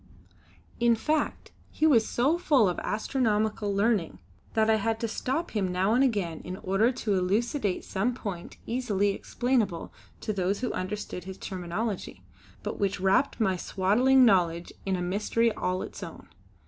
In fact he was so full of astronomical learning that I had to stop him now and again in order to elucidate some point easily explainable to those who understood his terminology, but which wrapped my swaddling knowledge in a mystery all its own.